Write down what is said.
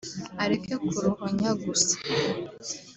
areke kuruhunya gusa